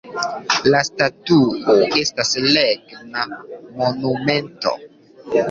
La statuo estas regna monumento.